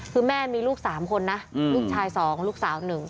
คือแม่มีลูก๓คนนะลูกชาย๒ลูกสาว๑